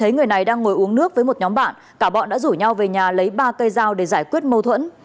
người này đang ngồi uống nước với một nhóm bạn cả bọn đã rủ nhau về nhà lấy ba cây dao để giải quyết mâu thuẫn